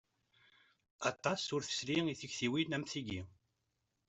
Aṭas ur tesli i tiktiwin am tigi.